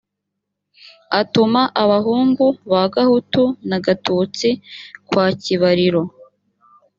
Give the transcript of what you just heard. atuma abahungu gahutu na gatutsi kwa kibariro